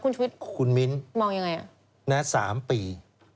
คุณชุวิตมองยังไงอ่ะคุณมิ้นนัด๓ปี